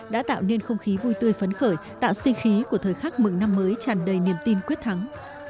đã tạo nên không khí vui tươi phấn khởi tạo sinh khí của thời khắc mừng năm mới tràn đầy niềm tin quyết thắng